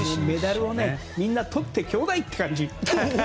メダルをみんなとってきょうだい！っていう感じ。